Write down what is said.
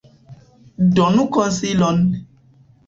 Donu konsilon!